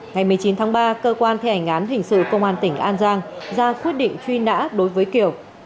ngày một mươi chín tháng ba cơ quan thi hành án hình sự công an tỉnh an giang ra quyết định truy nã đối với kiều